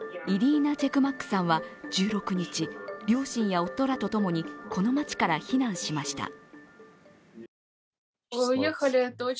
イリーナ・チェクマックさんは１６日両親や夫らとともにこの街から避難しました。